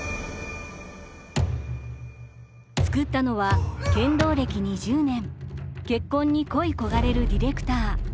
作ったのは剣道歴２０年結婚に恋い焦がれるディレクター。